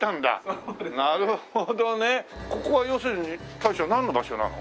ここは要するに大将なんの場所なの？